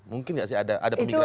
mungkin nggak sih ada pemikiran